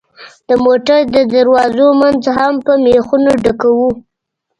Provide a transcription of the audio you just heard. د موټر د دروازو منځ هم په مېخونو ډکوو.